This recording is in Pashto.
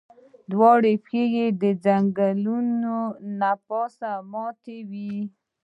دواړه پښې یې د ځنګانه له پاسه ماتې وې.